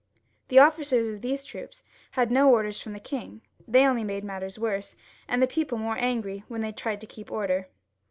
The ofScers of these troops had no orders from the Mrig ; they only made matters worse, and the people more angiy, when they tried to keep order.